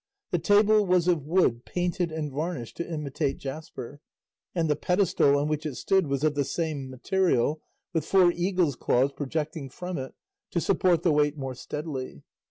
The table was of wood painted and varnished to imitate jasper, and the pedestal on which it stood was of the same material, with four eagles' claws projecting from it to support the weight more steadily.